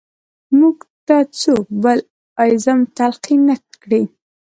موږ ته څوک بل ایزم تلقین نه کړي.